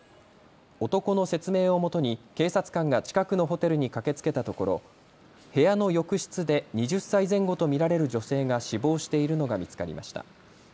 男の説明をもとに警察官が近くのホテルに駆けつけたところ部屋の浴室で２０歳前後と見られる女性が死亡しているのが見つかりました。